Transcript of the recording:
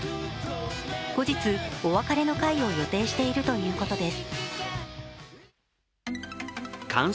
後日、お別れの会を予定しているということです。